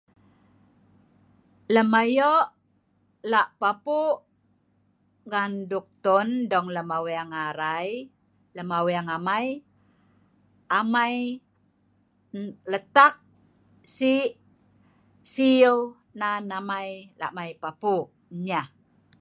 Lem ayo’ la’ papuq ngan doktun dong lem aweng arai lem aweng amai, amai letak si’ sieu nan amai lak mai papuq nyeh